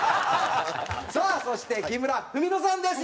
さあそして木村文乃さんです。